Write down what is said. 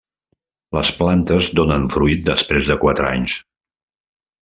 Les plantes donen fruit després de quatre anys.